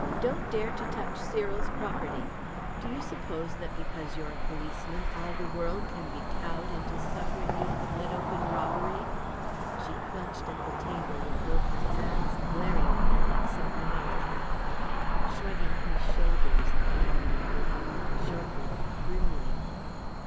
Don't dare to touch Cyril's property! Do you suppose that, because you're a policeman, all the world can be cowed into suffering you to commit open robbery?" She clutched at the table with both her hands, glaring at him like some wild cat. Shrugging his shoulders, Ireland laughed, shortly, grimly.